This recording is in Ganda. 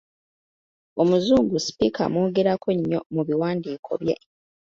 Omuzungu Speke amwogerako nnyo mu biwandiiko bye.